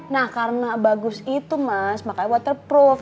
nah karena bagus itu mas makanya waterproof